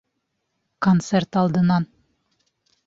Концерт алдынан.